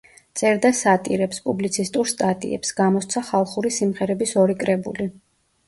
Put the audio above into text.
წერდა სატირებს, პუბლიცისტურ სტატიებს; გამოსცა ხალხური სიმღერების ორი კრებული.